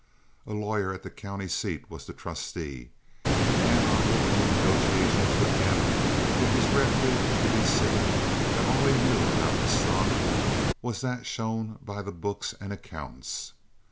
A lawyer at the county seat was the trustee, and on opening negotiations with him it was readily to be seen that all he knew about the stock was that shown by the books and accounts.